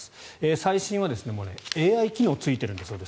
最新はＡＩ機能がついているんだそうです。